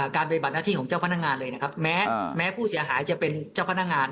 ปฏิบัติหน้าที่ของเจ้าพนักงานเลยนะครับแม้ผู้เสียหายจะเป็นเจ้าพนักงาน